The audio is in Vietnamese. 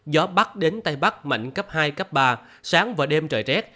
gió bắc đến tây bắc mạnh cấp hai cấp ba sáng và đêm trời rét